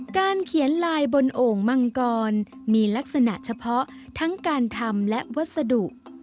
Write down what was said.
การเขียนลายบนโอ่งมังกรมีลักษณะเฉพาะทั้งการทำและวัสดุ